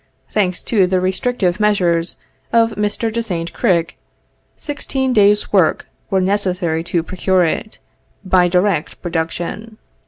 Thanks to the restrictive measures of Mr. de Saint Cricq, sixteen days' work were necessary to procure it, by direct production.